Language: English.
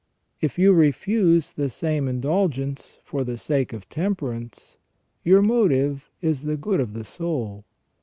If you refuse the same indulgence for the sake of temperance, your motive is the good of the soul.